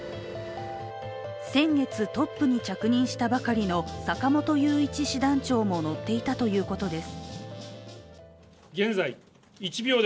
先月、トップに着任したばかりの坂本雄一師団長も乗っていたということです。